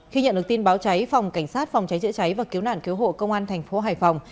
khi nhận được tin báo cháy phòng cảnh sát phòng cháy chữa cháy và cứu nạn cứu hộ công an thành phố hải phòng